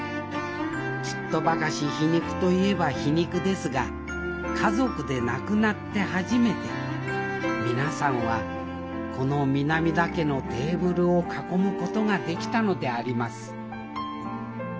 ちっとばかし皮肉と言えば皮肉ですが家族でなくなって初めて皆さんはこの南田家のテーブルを囲むことができたのであります